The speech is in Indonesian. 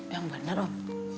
yang bener om